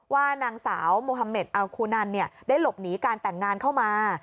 ว่านางสาวโมฮาเมดอัลคูนันได้หลบหนีการแต่งงานเข้ามา